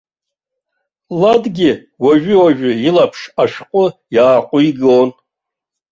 Ладгьы уажәы-уажәы илаԥш ашәҟәы иааҟәигон.